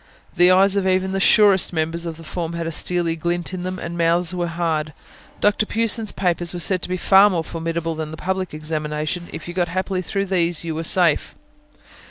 The eyes of even the surest members of the form had a steely glint in them, and mouths were hard. Dr. Pughson's papers were said to be far more formidable than the public examination: if you got happily through these, you were safe.